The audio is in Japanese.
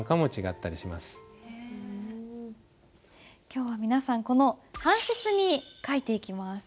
今日は皆さんこの半切に書いていきます。